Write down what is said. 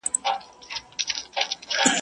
ښار به ډک وي له زلمیو له شملو او له بګړیو.